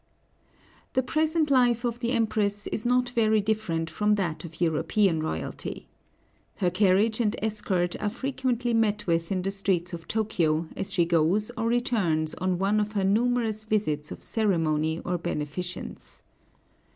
The present life of the Empress is not very different from that of European royalty. Her carriage and escort are frequently met with in the streets of Tōkyō as she goes or returns on one of her numerous visits of ceremony or beneficence.